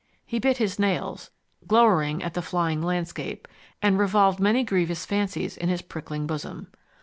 He bit his nails, glowered at the flying landscape, and revolved many grievous fancies in his prickling bosom.